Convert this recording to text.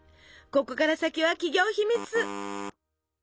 ここから先は企業秘密！